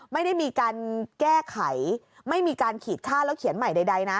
ไม่ได้มีการแก้ไขไม่มีการขีดค่าแล้วเขียนใหม่ใดนะ